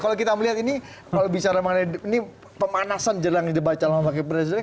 kalau kita melihat ini kalau bicara mengenai ini pemanasan jelang debat calon wakil presiden